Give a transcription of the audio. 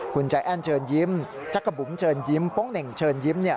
คุณใจแอ้นเชิญยิ้มจักรบุ๋มเชิญยิ้มโป๊งเหน่งเชิญยิ้มเนี่ย